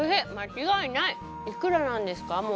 いくらなんですか？